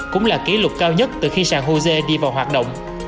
cũng là kỷ lục cao nhất từ khi sàn hosea đi vào hoạt động